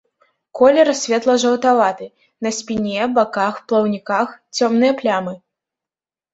Колер светла-жаўтаваты, на спіне, баках, плаўніках цёмныя плямы.